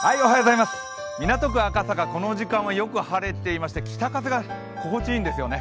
港区赤坂、この時間はよく晴れていまして北風が心地いいんですね。